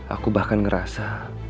aku bahkan ngerasa